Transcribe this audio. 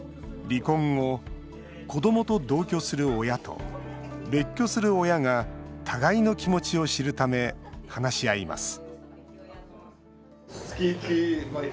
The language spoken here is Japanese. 離婚後、子どもと同居する親と別居する親が互いの気持ちを知るため話し合います